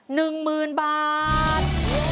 ๑หมื่นบาท